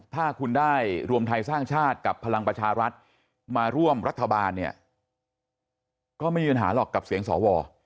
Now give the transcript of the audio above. ถ้าคุณได้รวมไทยสร้างชาติกับพลังประชารัฐมาร่วมรัฐบาลเนี่ยก็ไม่มีปัญหาหรอกกับเสียงสว